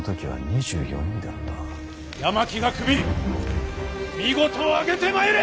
山木が首見事挙げてまいれ！